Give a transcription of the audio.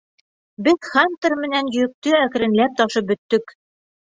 Беҙ Хантер менән йөктө әкренләп ташып бөттөк.